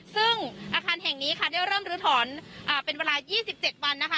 ซึ่งอาคารแห่งนี้ค่ะได้เริ่มลื้อถอนเป็นเวลา๒๗วันนะคะ